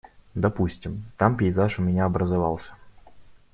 Допустим, там пейзаж у меня образовался.